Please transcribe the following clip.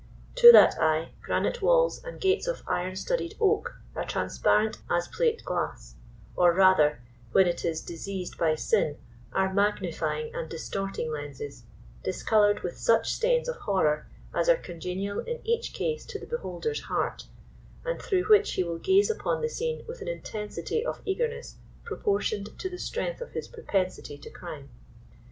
To that eye, granite walls and gates of iron studded oak are transparent as plate glass ; or rather, when it is diseased by sin, are magnifying and distorting lenses, discolored with such stains of horror as are congenial in each case to the beholder's heart, and through which he will gaze upon the scene with an intensity of eager ness proportioned to the strength of his propensity to crime.